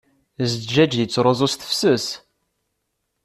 Zzǧaǧ yettruẓu s tefses.